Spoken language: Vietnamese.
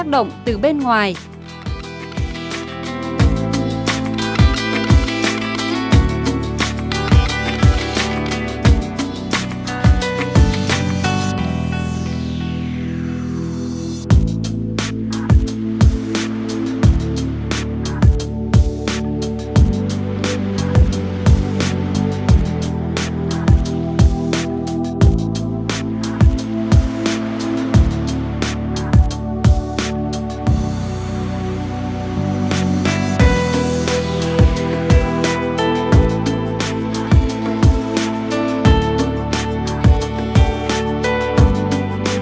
để bảo vệ sơn xe